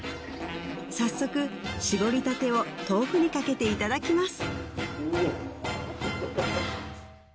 早速しぼりたてを豆腐にかけていただきます